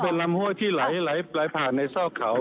เป็นลำห้วยที่ไหลผ่านในซอกเขา